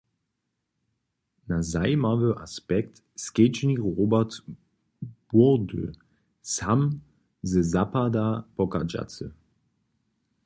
Na zajimawy aspekt skedźbni Robert Burdy, sam ze zapada pochadźacy.